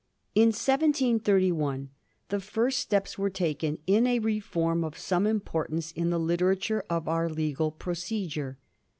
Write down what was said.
In 1731 the first steps were taken in a reform of some importance in the literature of our legal pro cedure.